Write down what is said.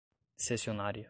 cessionária